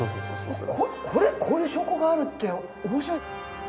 こういう証拠があるって面白い。